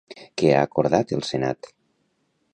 Què ha acordat el Senat?